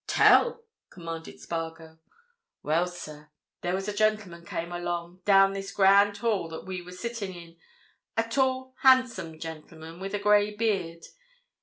"Tell," commanded Spargo. "Well, sir, there was a gentleman came along, down this grand hall that we were sitting in—a tall, handsome gentleman, with a grey beard.